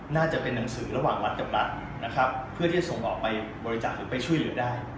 น่าจะเป็นหนังสือระหว่างวัดกับรัฐนะครับเพื่อที่จะส่งออกไปบริจาคหรือไปช่วยเหลือได้